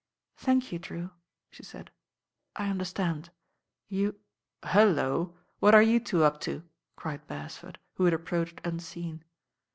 "Thank you. Drew," she said, "I understand. You " "Hullo 1 what are you two up to?" cried Beres ford, who had approached unseen.